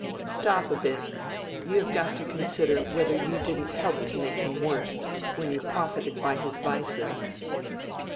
"Stop a bit! you have got to consider whether you didn't help to make him worse, when you profited by his vices."